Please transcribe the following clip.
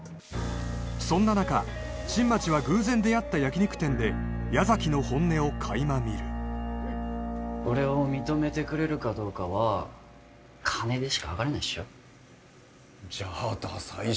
そんな中新町は偶然出会った焼き肉店で矢崎の本音をかいま見る俺を認めてくれるかどうかは金でしかはかれないっしょじゃあダサい